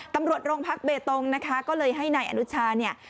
ตำรวจโรงพักเบตงนะคะก็เลยให้นายอนุชาเนี่ย